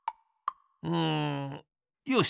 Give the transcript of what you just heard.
うんよし！